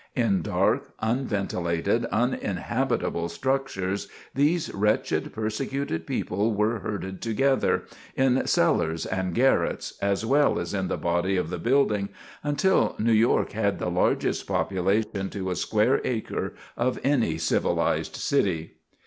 In dark, unventilated, uninhabitable structures these wretched, persecuted people were herded together, in cellars and garrets, as well as in the body of the building, until New York had the largest population to a square acre of any civilized city.